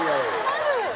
ある！